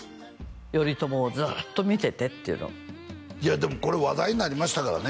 「頼朝をずっと見てて」って言うのいやでもこれ話題になりましたからね